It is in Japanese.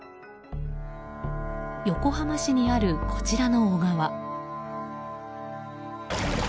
横浜市にある、こちらの小川。